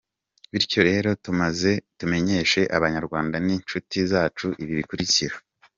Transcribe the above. Bityo rero turamenyesha abanyarwanda n’incuti zacu ibi bikurikira :